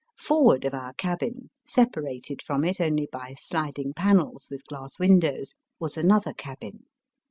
Forward of our cabin, separated from it only by sliding panels with glass windows, was another cabin.